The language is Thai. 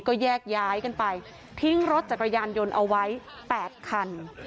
ก็แยกย้ายกันไปทิ้งรถจักรยานยนต์เอาไว้๘คัน